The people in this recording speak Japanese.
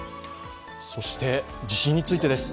そして地震についてです。